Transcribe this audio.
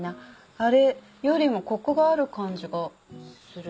あれよりもコクがある感じがする。